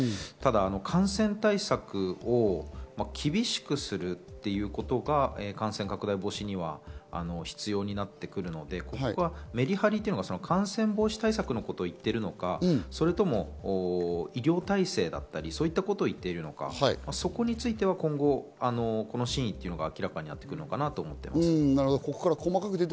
ただ感染対策を厳しくするということが感染拡大防止には必要になってくるので、メリハリというのが感染防止対策のことを言っているのか、それとも医療体制などのこと言っているのか、そこについては今後、真意が明らかになってくるのかなと思っています。